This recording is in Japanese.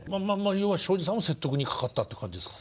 要は昭次さんを説得にかかったって感じですか？